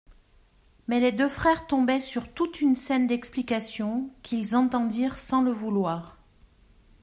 Mais les deux frères tombaient sur toute une scène d'explication, qu'ils entendirent sans le vouloir.